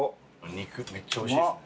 肉めっちゃおいしいっすね。